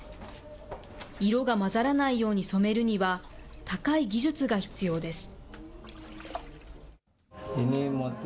色が混ざらないように染めるには、高い技術が必要です。